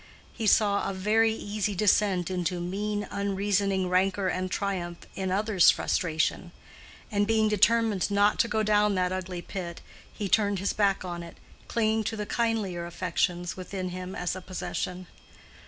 He saw a very easy descent into mean unreasoning rancor and triumph in others' frustration; and being determined not to go down that ugly pit, he turned his back on it, clinging to the kindlier affections within him as a possession.